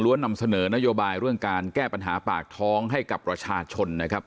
นำเสนอนโยบายเรื่องการแก้ปัญหาปากท้องให้กับประชาชนนะครับ